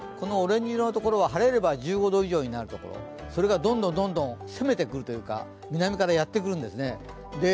オレンジ色のところは晴れれば１５度以上になるところ、それがどんどん、どんどん攻めてくるというか、南からやってくるんですね。